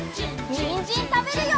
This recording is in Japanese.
にんじんたべるよ！